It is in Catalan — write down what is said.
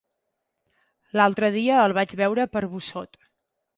L'altre dia el vaig veure per Busot.